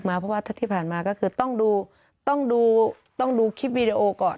เพราะว่าที่ผ่านมาก็คือต้องดูต้องดูต้องดูคลิปวีดีโอก่อน